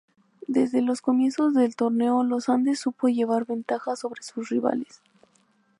Desde los comienzos del torneo Los Andes supo llevar ventaja sobre sus rivales.